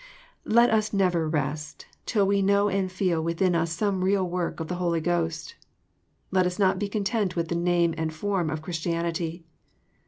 Let us never rest till we know and feel within us some real work of the Holy Ghost. Let us not be content with the name and form of Chris tianity.